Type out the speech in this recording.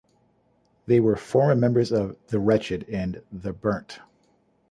They were former members of "The Wretched" and "The Burnt".